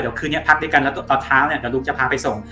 เดี๋ยวคืนนี้พักด้วยกันต่อเท้าลุงจะพาไปส่ง